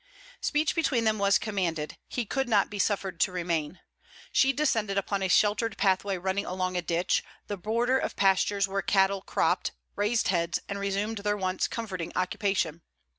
Speech between them was commanded; he could not be suffered to remain. She descended upon a sheltered pathway running along a ditch, the border of pastures where cattle cropped, raised heads, and resumed their one comforting occupation.